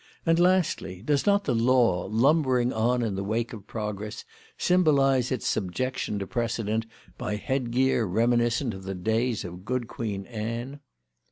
And, lastly, does not the Law, lumbering on in the wake of progress, symbolise its subjection to precedent by head gear reminiscent of the days of good Queen Anne?